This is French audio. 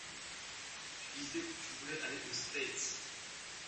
Tu disais que tu voulais aller aux States.